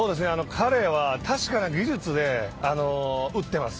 彼は確かな技術で打っています。